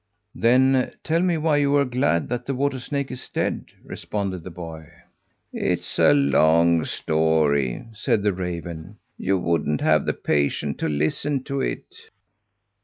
"Then tell me why you are glad the water snake is dead," responded the boy. "It's a long story," said the raven; "you wouldn't have the patience to listen to it."